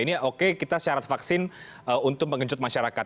ini oke kita syarat vaksin untuk mengejut masyarakat